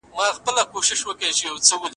لهجې ته په دربارونو، دولتي ادارو، ښوونځیو او